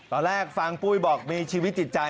ตอนแรกฟังปุ้ยบอกมีชีวิตจิตใจ